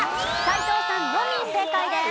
斎藤さんのみ正解です。